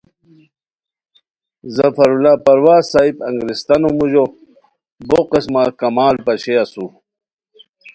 ظفراللہ پروازؔ صاحب انگریستانو موژو بو قسمہ کمال پاشئے اسور